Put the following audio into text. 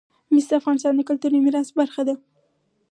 مس د افغانستان د کلتوري میراث برخه ده.